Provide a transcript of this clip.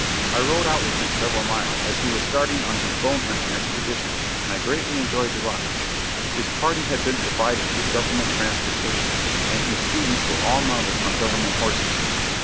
I rode out with him several miles, as he was starting on his bone hunting expedition, and I greatly enjoyed the ride. His party had been provided with Government transportation and his students were all mounted on Government horses.